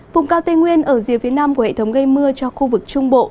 vùng cao tây nguyên ở rìa phía nam của hệ thống gây mưa cho khu vực trung bộ